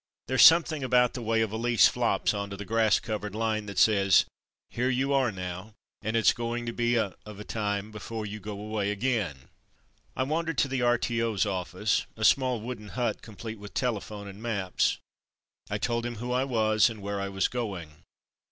There's something about the way a valise 94 From Mud to Mufti flops on to the grass covered line that says, "Here you are now, and it's going to be a of a time before you go away again/' I wandered to the R.T.O.'s office, a small wooden hut complete with telephone and maps. I told him who I was, and where I was going.